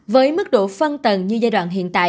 với mức độ phân tầng như giai đoạn hiện tại